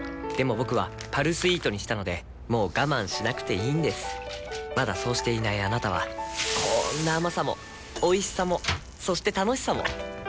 僕は「パルスイート」にしたのでもう我慢しなくていいんですまだそうしていないあなたはこんな甘さもおいしさもそして楽しさもあちっ。